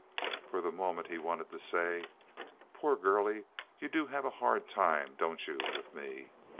For the moment he wanted to say, "Poor girlie, you do have a hard time, don't you, with me?"